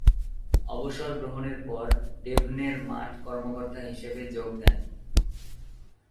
অবসর গ্রহণের পর ডেভনের মাঠ কর্মকর্তা হিসেবে যোগ দেন।